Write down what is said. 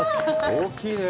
大きいね。